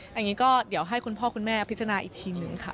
อย่างนี้ก็เดี๋ยวให้คุณพ่อคุณแม่พิจารณาอีกทีหนึ่งค่ะ